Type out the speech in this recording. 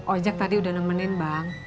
ojek tadi udah nemenin bang